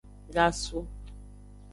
Gasu.